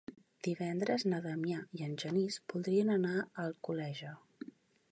Divendres na Damià i en Genís voldrien anar a Alcoleja.